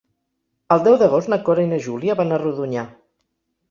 El deu d'agost na Cora i na Júlia van a Rodonyà.